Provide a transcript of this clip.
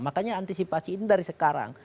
makanya antisipasi ini dari sekarang